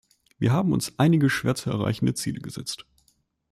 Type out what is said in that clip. Wir haben uns einige schwer zu erreichende Ziele gesetzt.